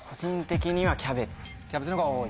キャベツの方が多い。